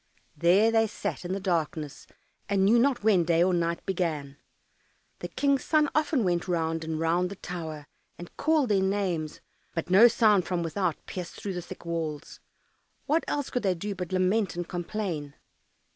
There they sat in the darkness, and knew not when day or night began. The King's son often went round and round the tower, and called their names, but no sound from without pierced through the thick walls. What else could they do but lament and complain?